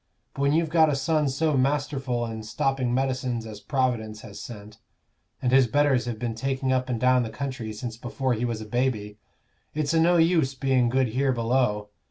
But when you've got a son so masterful and stopping medicines as Providence has sent, and his betters have been taking up and down the country since before he was a baby, it's o' no use being good here below.